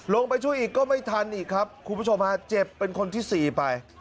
ลงไปช่วยอีกก็ไม่ทันอีกครับคุณผู้ชมฮะเจ็บเป็นคนที่สี่ไป